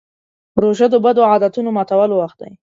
روژه د بدو عادتونو ماتولو وخت دی.